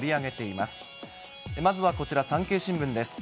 まずはこちら、産経新聞です。